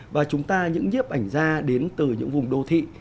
và chúng ta những nhếp ảnh ra đến từ những vùng đô thị